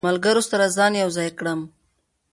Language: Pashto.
ملګرو سره ځان یو ځای کړم.